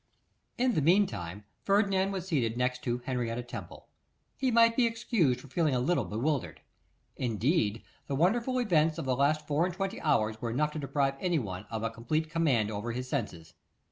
In the meantime, Ferdinand was seated next to Henrietta Temple. He might be excused for feeling a little bewildered. Indeed, the wonderful events of the last four and twenty hours were enough to deprive anyone of a complete command over his senses.